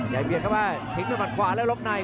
อย่าเบียดเข้าไปทิ้งด้านขวาแล้วลบใน